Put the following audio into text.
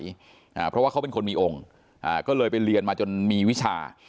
อ่าเพราะว่าเขาเป็นคนมีองค์อ่าก็เลยไปเรียนมาจนมีวิชา